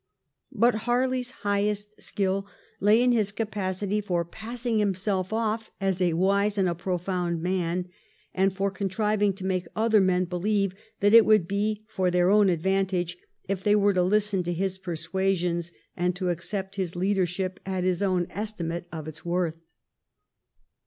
But Harley's highest skill lay in his capacity for passing himself off as a wise and a profound man, and for contriving to make other men believe that it would be for their advantage if they were to listen to his persuasions and to accept his leadership at his own estimate of its value.